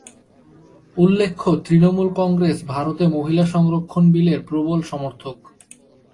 উল্লেখ্য, তৃণমূল কংগ্রেস ভারতে মহিলা সংরক্ষণ বিলের প্রবল সমর্থক।